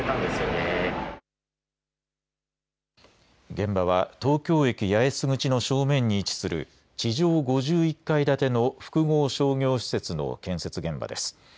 現場は東京駅八重洲口の正面に位置する地上５１階建ての複合商業施設の建設現場です。